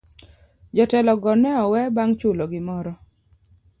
Jotelo go ne owe bang' chulo gimoro.